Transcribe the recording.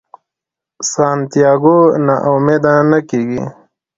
سانتیاګو نا امیده نه کیږي.